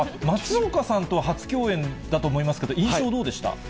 松岡さんと初共演だと思いますけど、印象はどうでした？